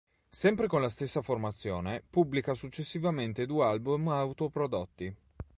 Sempre con la stessa formazione pubblica successivamente due album autoprodotti.